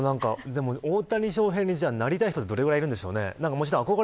大谷翔平選手になりたい人ってどれくらい、いるんでしょうね。